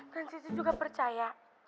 dan sissy juga percaya